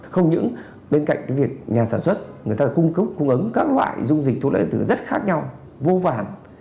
không những bên cạnh việc nhà sản xuất người ta cung cấp cung ứng các loại dung dịch thuốc lá điện tử rất khác nhau vô vản